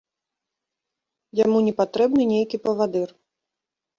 Яму не патрэбны нейкі павадыр.